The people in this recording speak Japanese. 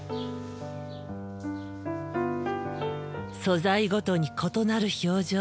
素材ごとに異なる表情。